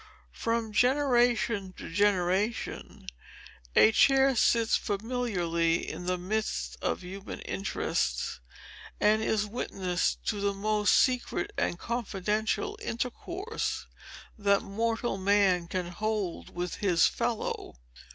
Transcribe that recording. From generation to generation, a chair sits familiarly in the midst of human interests, and is witness to the most secret and confidential intercourse, that mortal man can hold with his fellow.